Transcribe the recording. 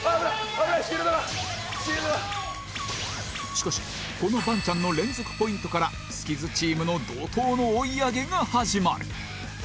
しかしこのバンチャンの連続ポイントからスキズチームの怒濤の追い上げが始まる！